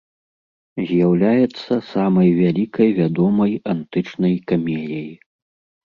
З'яўляецца самай вялікай вядомай антычнай камеяй.